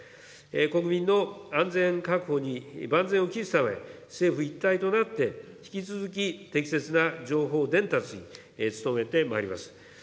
国民の安全確保に万全を期すため、政府一体となって、引き続き適切な情報伝達に努めてまいります。